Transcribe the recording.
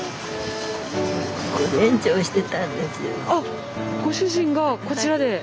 あっご主人がこちらで？